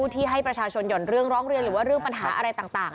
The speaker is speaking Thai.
ที่ให้ประชาชนหย่อนเรื่องร้องเรียนหรือว่าเรื่องปัญหาอะไรต่าง